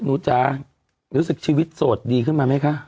จ๊ะรู้สึกชีวิตโสดดีขึ้นมาไหมคะ